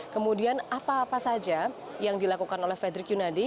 kemudian apa apa saja yang dilakukan oleh fredrik yunadi